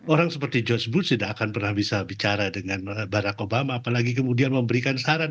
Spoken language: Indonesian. orang seperti george booth tidak akan pernah bisa bicara dengan barack obama apalagi kemudian memberikan saran